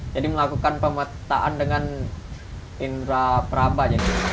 jadi melakukan pemetaan dengan indera perabah